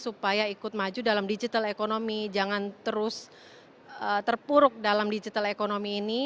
supaya ikut maju dalam digital economy jangan terus terpuruk dalam digital economy ini